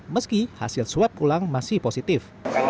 meski hasil swab pulang masih positif